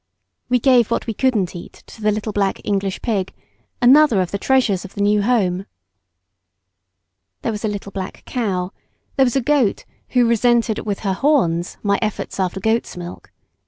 We gave what we couldn't eat to the little black English pig, another of the treasures of the new home. There was a little black cow, there was a goat who resented with her horns my efforts after goat's milk.